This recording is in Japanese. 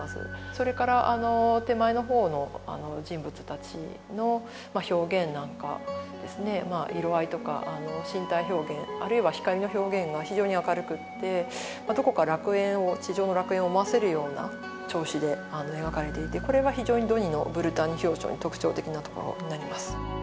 それから手前のほうの人物たちの表現なんかですね色合いとか身体表現あるいは光の表現が非常に明るくってどこか地上の楽園を思わせるような調子で描かれていてこれは非常にドニのブルターニュ表徴に特徴的なところになります